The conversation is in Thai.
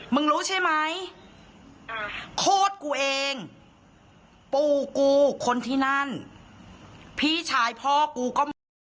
มึงรู้ใช่ไหมโคตรกูเองปู่กูคนที่นั่นพี่ชายพ่อกูก็หมด